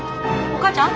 お母ちゃん。